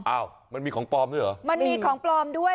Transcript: อ้าวมันมีของปลอมด้วยเหรอมันมีของปลอมด้วย